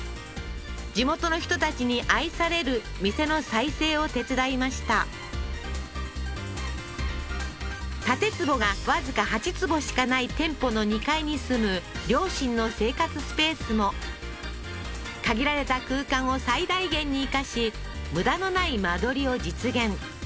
地元の人たちに愛される店の再生を手伝いました建坪がわずか８坪しかない店舗の２階に住む両親の生活スペースも限られた空間を最大限に生かし無駄のない間取りを実現